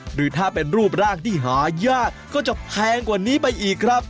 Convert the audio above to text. หรือถ้าเป็นรูปร่างที่หายากก็จะแพงกว่านี้ไปอีกครับ